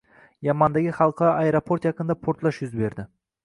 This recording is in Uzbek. Yamandagi xalqaro aeroport yaqinida portlash yuz berdi